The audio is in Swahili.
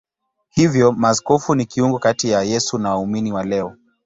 Hivyo maaskofu ni kiungo kati ya Yesu na waumini wa leo.